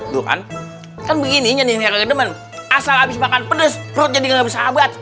tuh kan kan begininya nih temen asal habis makan pedes perut jadi enggak bisa banget